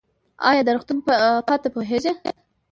ایا د روغتون پته پوهیږئ؟